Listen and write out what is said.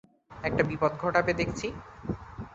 একটা বিপদ ঘটাবে দেখছি।